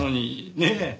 ねえ？